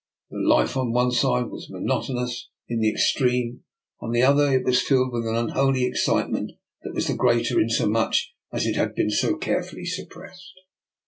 The life on one side was monotonous in the extreme; on the other it was filled with an unholy excite ment that was the greater inasmuch as it had to be so carefully suppressed.